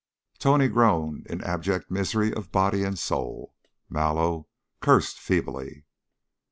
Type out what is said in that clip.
Tony groaned in abject misery of body and soul. Mallow cursed feebly.